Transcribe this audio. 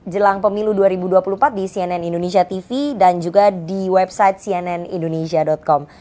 jelang pemilu dua ribu dua puluh empat di cnn indonesia tv dan juga di website cnnindonesia com